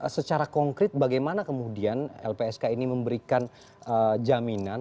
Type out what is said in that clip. secara konkret bagaimana kemudian lpsk ini memberikan jaminan